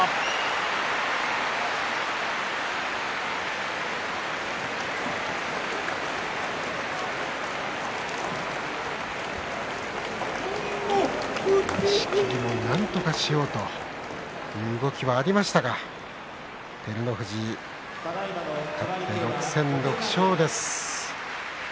拍手錦木も、なんとかしようという動きはありましたが照ノ富士、勝って６戦６勝です。